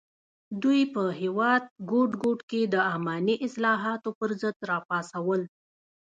دوی په هېواد ګوټ ګوټ کې د اماني اصلاحاتو پر ضد راپاڅول.